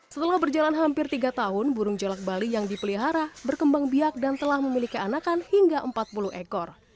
setelah berjalan hampir tiga tahun burung jelak bali yang dipelihara berkembang biak dan telah memiliki anakan hingga empat puluh ekor